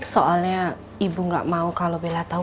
soalnya ibu gak mau kalau bela tahu